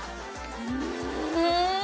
うん！